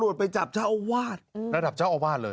ไปจับเจ้าอาวาสระดับเจ้าอาวาสเลย